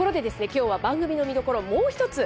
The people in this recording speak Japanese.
今日は番組の見どころをもう一つ。